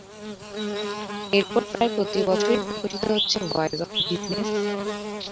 এরপর প্রায় প্রতিবছরই প্রকাশিত হচ্ছে ভয়েস অব বিজনেস।